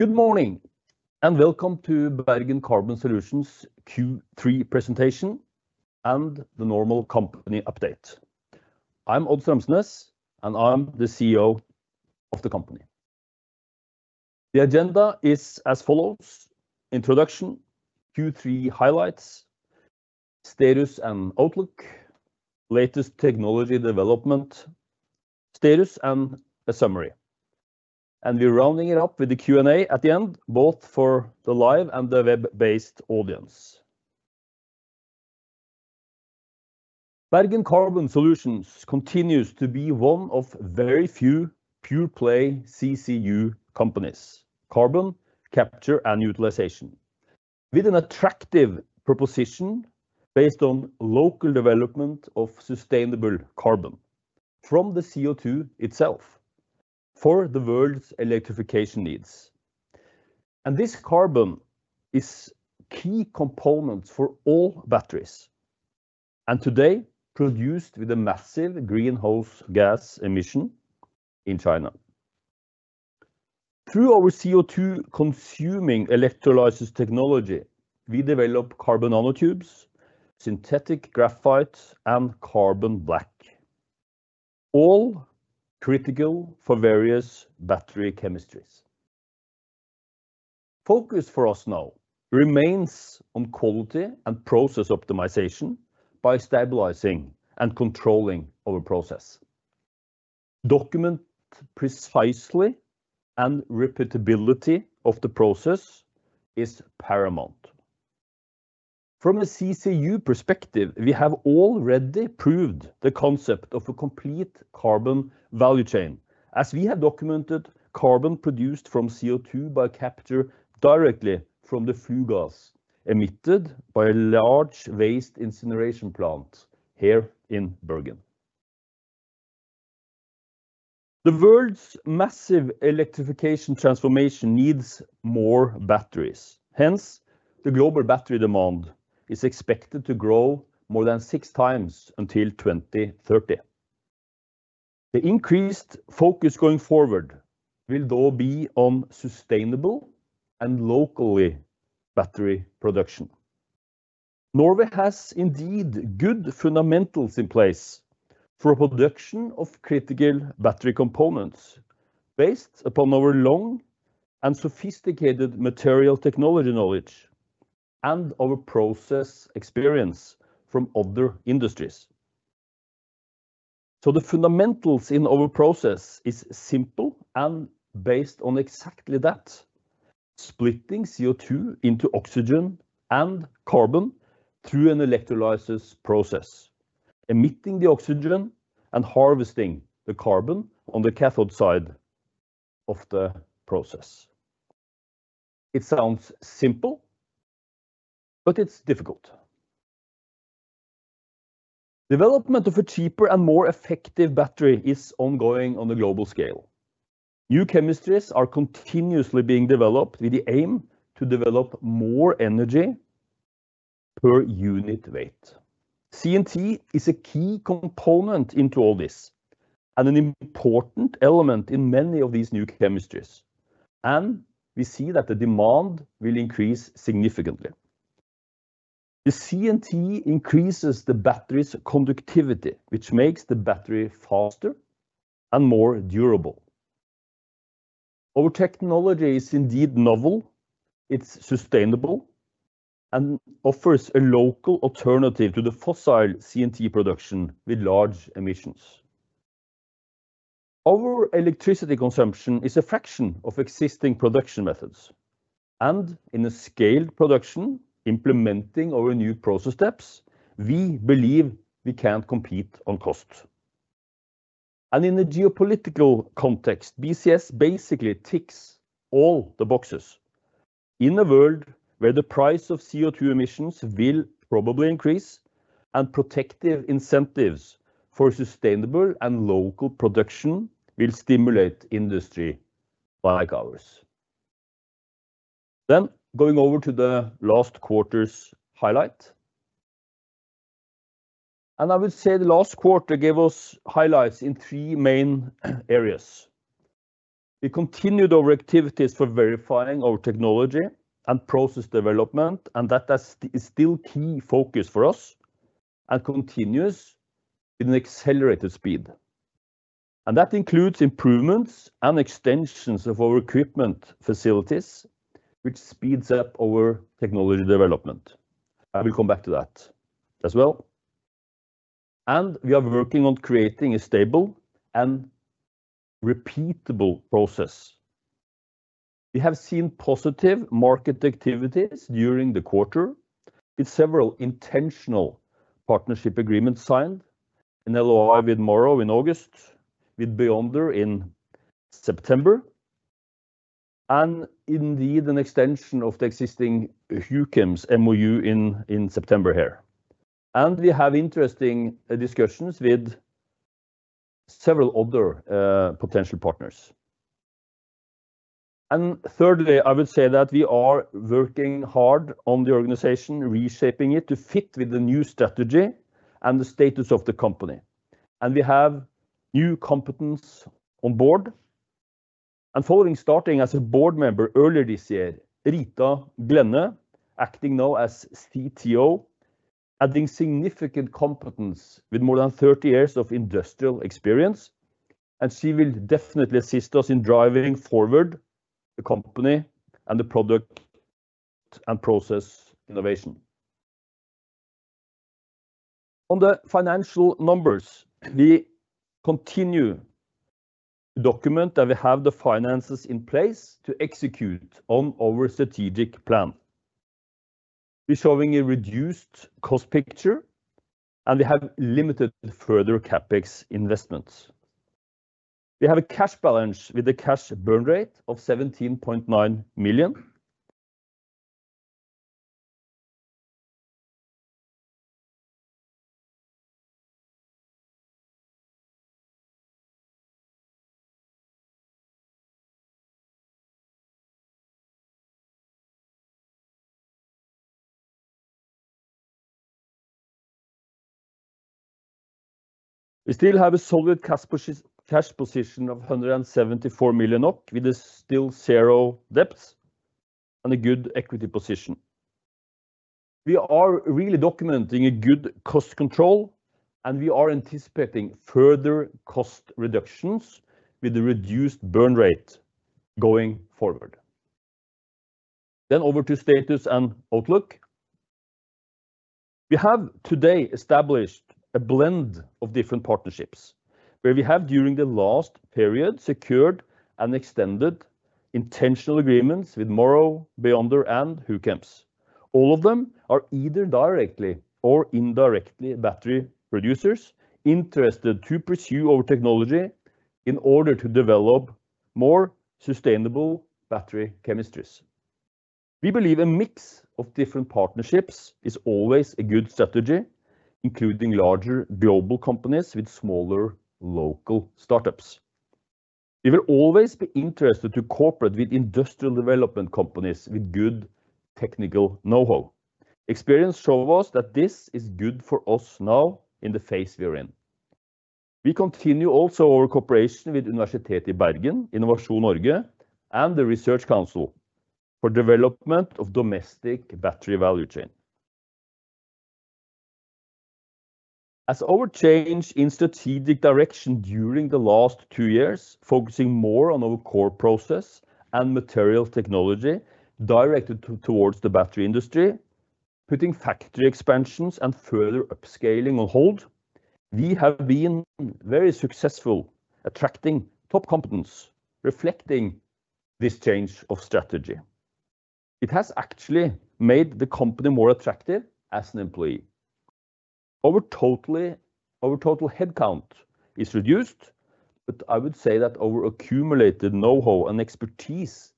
Good morning, and welcome to Bergen Carbon Solutions Q3 presentation and the normal company update. I'm Odd Strømsnes, and I'm the CEO of the company. The agenda is as follows: introduction, Q3 highlights, status and outlook, latest technology development, status, and a summary. And we're rounding it up with the Q&A at the end, both for the live and the web-based audience. Bergen Carbon Solutions continues to be one of very few pure-play CCU companies: carbon capture and utilization, with an attractive proposition based on local development of sustainable carbon from the CO2 itself for the world's electrification needs. And this carbon is a key component for all batteries, and today produced with a massive greenhouse gas emission in China. Through our CO2-consuming electrolysis technology, we develop carbon nanotubes, synthetic graphite, and carbon black, all critical for various battery chemistries. Focus for us now remains on quality and process optimization by stabilizing and controlling our process. Documented precision and repeatability of the process is paramount. From a CCU perspective, we have already proved the concept of a complete carbon value chain, as we have documented carbon produced from CO2 by capture directly from the flue gas emitted by a large waste incineration plant here in Bergen. The world's massive electrification transformation needs more batteries. Hence, the global battery demand is expected to grow more than six times until 2030. The increased focus going forward will be on sustainable and locally produced batteries. Norway has indeed good fundamentals in place for production of critical battery components based upon our long and sophisticated material technology knowledge and our process experience from other industries. So the fundamentals in our process are simple and based on exactly that: splitting CO2 into oxygen and carbon through an electrolysis process, emitting the oxygen and harvesting the carbon on the cathode side of the process. It sounds simple, but it's difficult. Development of a cheaper and more effective battery is ongoing on a global scale. New chemistries are continuously being developed with the aim to develop more energy per unit weight. CNT is a key component into all this and an important element in many of these new chemistries, and we see that the demand will increase significantly. The CNT increases the battery's conductivity, which makes the battery faster and more durable. Our technology is indeed novel, it's sustainable, and offers a local alternative to the fossil CNT production with large emissions. Our electricity consumption is a fraction of existing production methods. In a scaled production implementing our new process steps, we believe we can compete on cost. In a geopolitical context, BCS basically ticks all the boxes. In a world where the price of CO2 emissions will probably increase, protective incentives for sustainable and local production will stimulate industry like ours. Going over to the last quarter's highlight. I would say the last quarter gave us highlights in three main areas. We continued our activities for verifying our technology and process development, and that is still a key focus for us and continues with an accelerated speed. That includes improvements and extensions of our equipment facilities, which speeds up our technology development. I will come back to that as well. We are working on creating a stable and repeatable process. We have seen positive market activities during the quarter with several intentional partnership agreements signed, an LOI with Morrow in August, with Beyonder in September, and indeed an extension of the existing Huchems MoU in September here, and we have interesting discussions with several other potential partners, and thirdly. I would say that we are working hard on the organization, reshaping it to fit with the new strategy and the status of the company, and we have new competence on board, and following starting as a board member earlier this year, Rita Glenner, acting now as CTO, adding significant competence with more than 30 years of industrial experience, and she will definitely assist us in driving forward the company and the product and process innovation. On the financial numbers, we continue to document that we have the finances in place to execute on our strategic plan. We're showing a reduced cost picture, and we have limited further CapEx investments. We have a cash balance with a cash burn rate of 17.9 million. We still have a solid cash position of 174 million with a still zero debt and a good equity position. We are really documenting a good cost control, and we are anticipating further cost reductions with a reduced burn rate going forward. Then over to status and outlook. We have today established a blend of different partnerships where we have, during the last period, secured and extended initial agreements with Morrow, Beyonder, and Huchems. All of them are either directly or indirectly battery producers interested to pursue our technology in order to develop more sustainable battery chemistries. We believe a mix of different partnerships is always a good strategy, including larger global companies with smaller local startups. We will always be interested to cooperate with industrial development companies with good technical know-how. Experience shows us that this is good for us now in the phase we are in. We continue also our cooperation with University of Bergen, Innovation Norway, and The Research Council of Norway for development of domestic battery value chain. As our change in strategic direction during the last two years, focusing more on our core process and material technology directed towards the battery industry, putting factory expansions and further upscaling on hold, we have been very successful attracting top competence reflecting this change of strategy. It has actually made the company more attractive as an employee. Our total headcount is reduced, but I would say that our accumulated know-how and expertise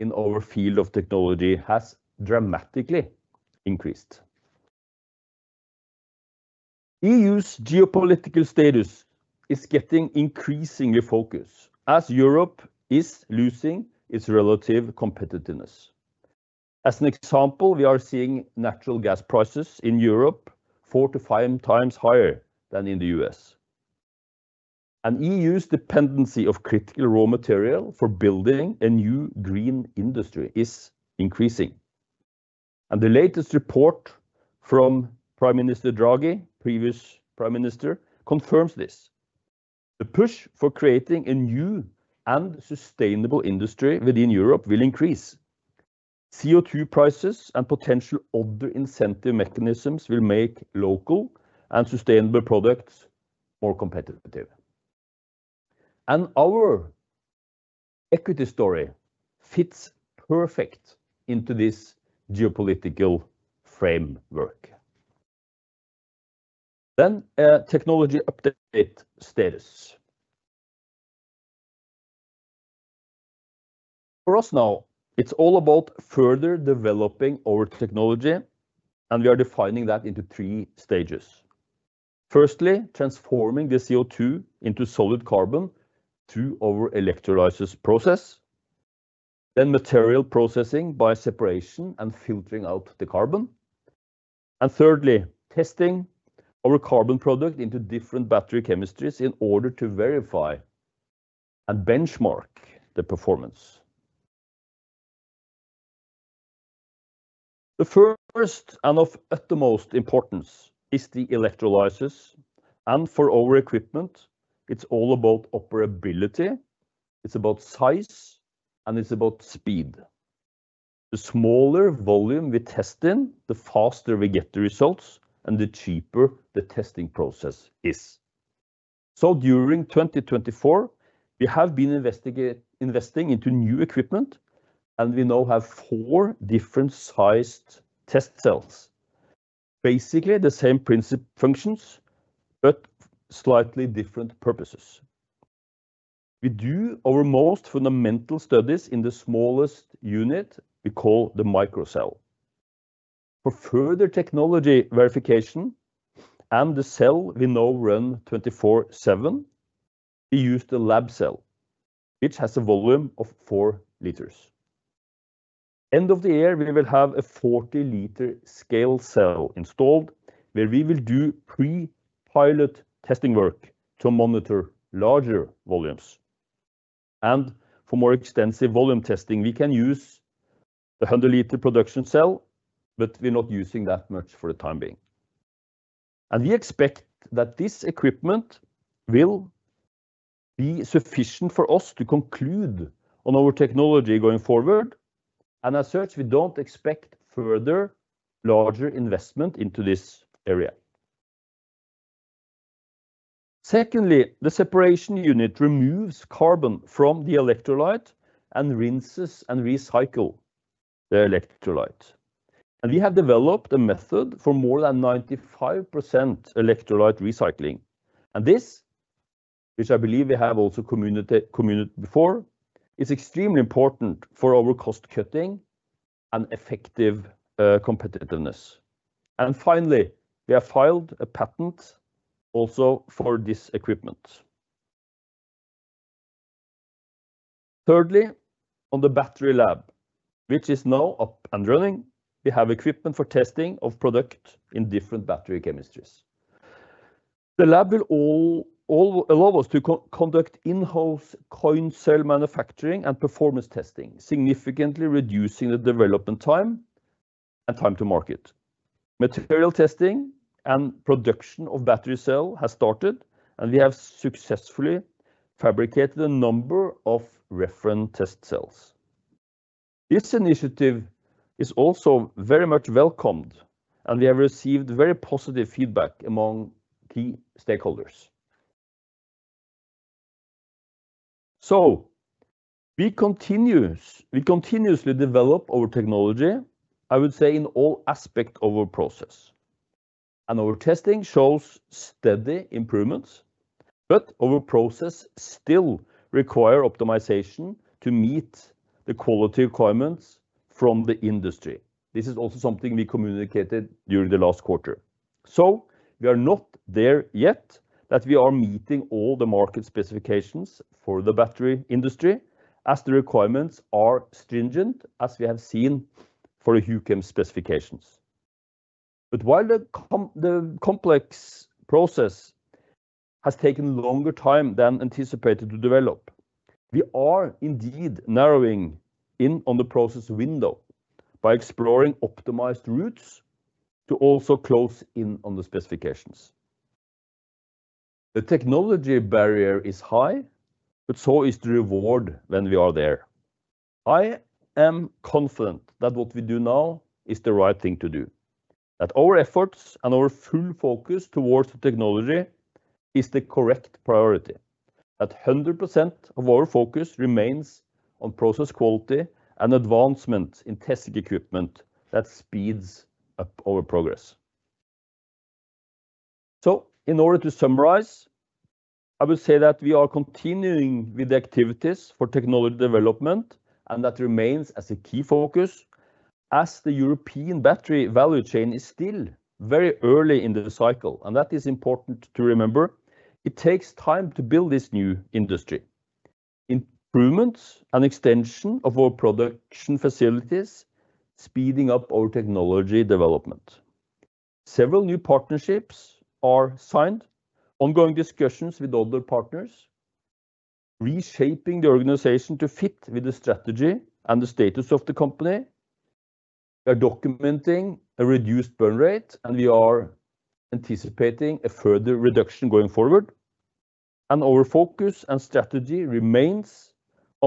in our field of technology has dramatically increased. EU's geopolitical status is getting increasingly focused as Europe is losing its relative competitiveness. As an example, we are seeing natural gas prices in Europe four to five times higher than in the U.S. And E.U.'s dependency of critical raw material for building a new green industry is increasing. And the latest report from Prime Minister Draghi, previous Prime Minister, confirms this. The push for creating a new and sustainable industry within Europe will increase. CO2 prices and potential other incentive mechanisms will make local and sustainable products more competitive. And our equity story fits perfectly into this geopolitical framework. Then technology update status. For us now, it's all about further developing our technology, and we are defining that into three stages. Firstly, transforming the CO2 into solid carbon through our electrolysis process. Then material processing by separation and filtering out the carbon. And thirdly, testing our carbon product into different battery chemistries in order to verify and benchmark the performance. The first and of utmost importance is the electrolysis, and for our equipment, it's all about operability. It's about size, and it's about speed. The smaller volume we test in, the faster we get the results, and the cheaper the testing process is. So during 2024, we have been investing into new equipment, and we now have four different-sized test cells. Basically the same principle functions, but slightly different purposes. We do our most fundamental studies in the smallest unit we call the micro cell. For further technology verification and the cell we now run 24/7, we use the lab cell, which has a volume of four liters. End of the year, we will have a 40-liter scale cell installed where we will do pre-pilot testing work to monitor larger volumes. For more extensive volume testing, we can use the 100-liter production cell, but we're not using that much for the time being. We expect that this equipment will be sufficient for us to conclude on our technology going forward, and as such, we don't expect further larger investment into this area. Secondly, the separation unit removes carbon from the electrolyte and rinses and recycles the electrolyte. We have developed a method for more than 95% electrolyte recycling. This, which I believe we have also communicated before, is extremely important for our cost-cutting and effective competitiveness. Finally, we have filed a patent also for this equipment. Thirdly, on the battery lab, which is now up and running, we have equipment for testing of product in different battery chemistries. The lab will allow us to conduct in-house coin cell manufacturing and performance testing, significantly reducing the development time and time to market. Material testing and production of battery cells has started, and we have successfully fabricated a number of reference test cells. This initiative is also very much welcomed, and we have received very positive feedback among key stakeholders, so we continuously develop our technology, I would say, in all aspects of our process. And our testing shows steady improvements, but our process still requires optimization to meet the quality requirements from the industry. This is also something we communicated during the last quarter, so we are not there yet that we are meeting all the market specifications for the battery industry as the requirements are stringent as we have seen for the Huchems specifications. But while the complex process has taken longer time than anticipated to develop, we are indeed narrowing in on the process window by exploring optimized routes to also close in on the specifications. The technology barrier is high, but so is the reward when we are there. I am confident that what we do now is the right thing to do, that our efforts and our full focus towards the technology is the correct priority, that 100% of our focus remains on process quality and advancement in testing equipment that speeds up our progress. So in order to summarize, I would say that we are continuing with the activities for technology development and that remains as a key focus as the European battery value chain is still very early in the cycle, and that is important to remember. It takes time to build this new industry. Improvements and extension of our production facilities speeding up our technology development. Several new partnerships are signed, ongoing discussions with other partners, reshaping the organization to fit with the strategy and the status of the company. We are documenting a reduced burn rate, and we are anticipating a further reduction going forward, and our focus and strategy remains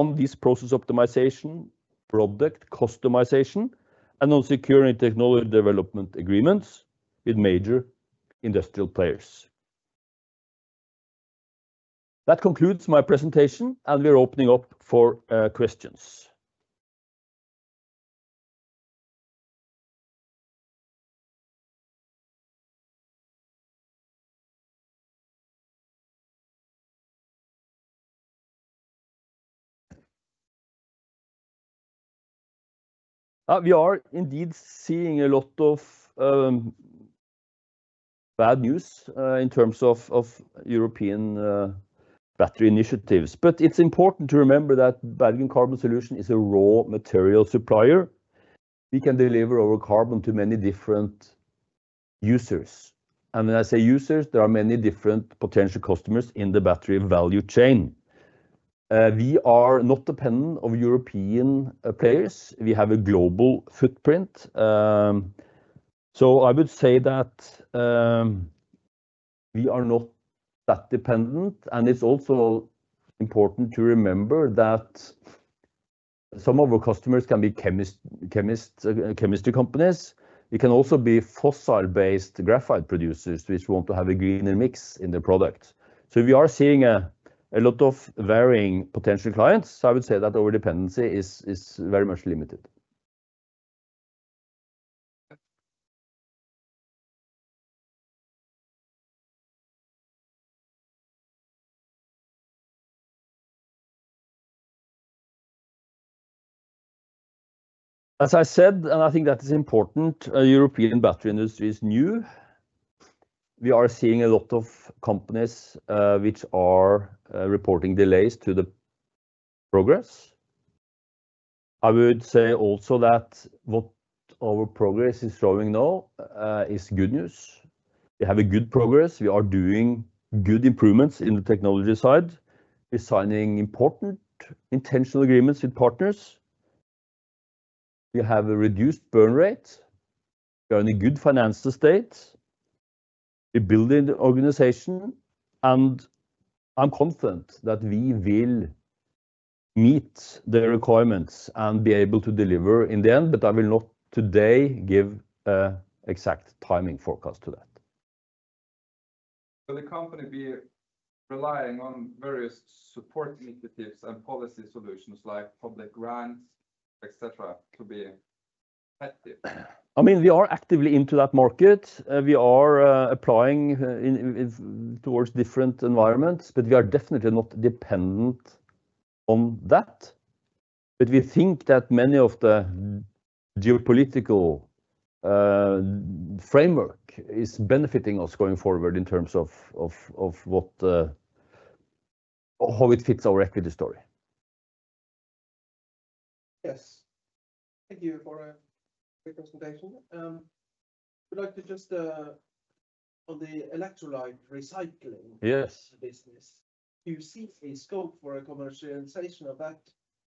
on this process optimization, product customization, and on securing technology development agreements with major industrial players. That concludes my presentation, and we are opening up for questions. We are indeed seeing a lot of bad news in terms of European battery initiatives, but it's important to remember that Bergen Carbon Solutions is a raw material supplier. We can deliver our carbon to many different users. And when I say users, there are many different potential customers in the battery value chain. We are not dependent on European players. We have a global footprint, so I would say that we are not that dependent, and it's also important to remember that some of our customers can be chemistry companies. It can also be fossil-based graphite producers which want to have a greener mix in their product, so we are seeing a lot of varying potential clients, so I would say that our dependency is very much limited. As I said, and I think that is important, the European battery industry is new. We are seeing a lot of companies which are reporting delays to the progress. I would say also that what our progress is showing now is good news. We have good progress. We are doing good improvements in the technology side, signing important international agreements with partners. We have a reduced burn rate. We are in a good financial state. We build an organization, and I'm confident that we will meet the requirements and be able to deliver in the end, but I will not today give an exact timing forecast to that. Will the company be relying on various support initiatives and policy solutions like public grants, etc., to be effective? I mean, we are actively into that market. We are applying towards different environments, but we are definitely not dependent on that, but we think that many of the geopolitical framework is benefiting us going forward in terms of how it fits our equity story. Yes. Thank you for the presentation. I would like to just on the electrolyte recycling business. Do you see a scope for a commercialization of that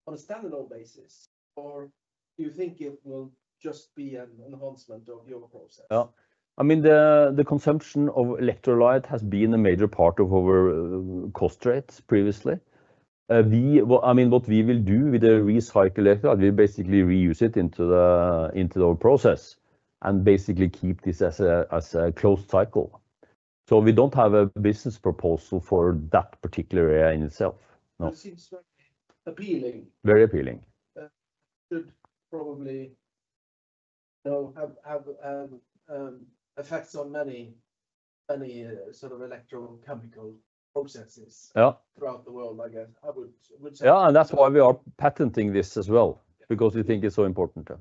on a standalone basis, or do you think it will just be an enhancement of your process? I mean, the consumption of electrolyte has been a major part of our cost rates previously. I mean, what we will do with the recycled electrolyte, we basically reuse it into our process and basically keep this as a closed cycle. So we don't have a business proposal for that particular area in itself. It seems very appealing. Very appealing. It should probably have effects on many sort of electrochemical processes throughout the world, I guess. I would say. Yeah, and that's why we are patenting this as well, because we think it's so important to.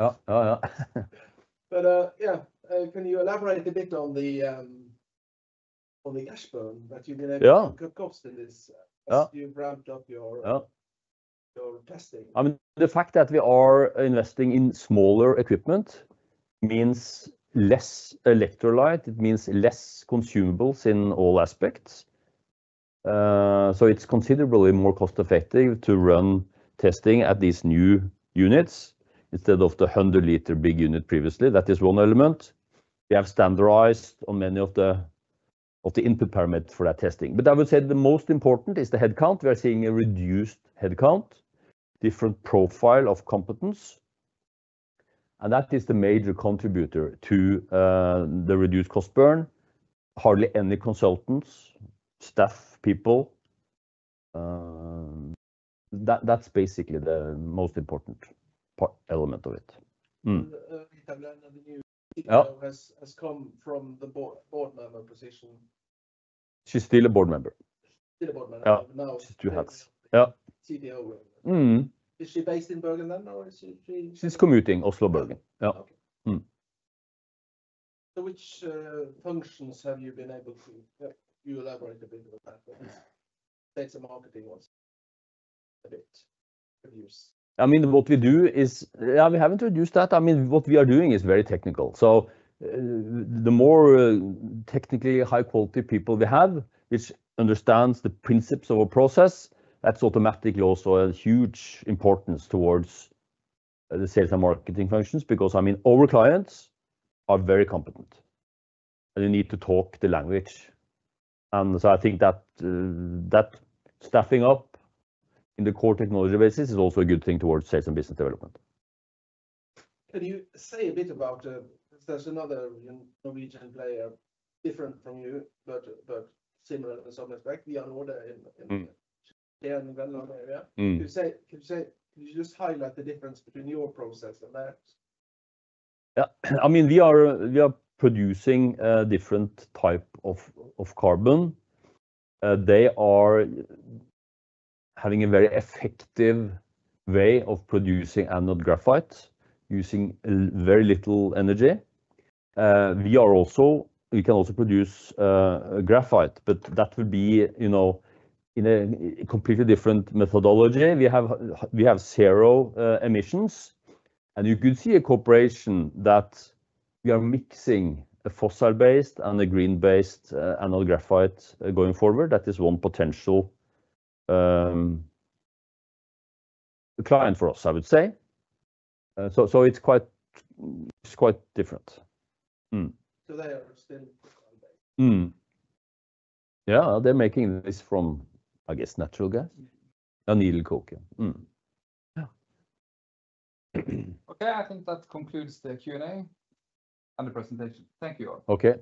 Yeah, yeah, yeah. But yeah, can you elaborate a bit on the overhead that you've been able to cut costs in this as you've ramped up your testing? I mean, the fact that we are investing in smaller equipment means less electrolyte. It means less consumables in all aspects. So it's considerably more cost-effective to run testing at these new units instead of the 100-liter big unit previously. That is one element. We have standardized on many of the input parameters for that testing. But I would say the most important is the headcount. We are seeing a reduced headcount, different profile of competence. And that is the major contributor to the reduced cost burn. Hardly any consultants, staff people. That's basically the most important element of it. And the new CTO has come from the board member position. She's still a board member. Now she has. Yeah. CTO. Is she based in Bergen then or is she? She's commuting Oslo-Bergen. Yeah. So which functions have you been able to, you elaborate a bit on that, data marketing ones a bit? I mean, what we do is, yeah, we haven't reduced that. I mean, what we are doing is very technical. So the more technically high-quality people we have, which understands the principles of our process, that's automatically also a huge importance towards the sales and marketing functions because, I mean, our clients are very competent. They need to talk the language. And so I think that staffing up in the core technology basis is also a good thing towards sales and business development. Can you say a bit about, because there's another Norwegian player different from you, but similar in some respect, Vianode in the German area. Can you just highlight the difference between your process and that? Yeah. I mean, we are producing a different type of carbon. They are having a very effective way of producing anode graphite using very little energy. We can also produce graphite, but that would be in a completely different methodology. We have zero emissions, and you could see a corporation that we are mixing a fossil-based and a green-based anode graphite going forward. That is one potential client for us, I would say, so it's quite different. So they are still fossil-based. Yeah, they're making this from, I guess, natural gas and needle coke. Yeah. Okay, I think that concludes the Q&A and the presentation. Thank you all. Okay.